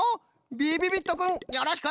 びびびっとくんよろしく。